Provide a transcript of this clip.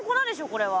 これは。